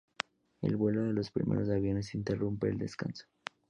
El vuelo de los primeros aviones interrumpe el descanso.